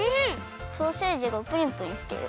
ソーセージがプリプリしてる。